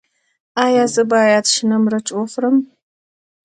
ایا زه باید شنه مرچ وخورم؟